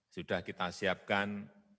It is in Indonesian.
sudah kita siapkan